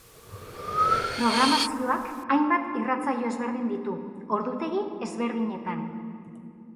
Programazioak hainbat irratsaio ezberdin ditu, ordutegi ezberdinetan.